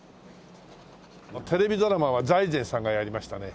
テレビドラマは財前さんがやりましたね。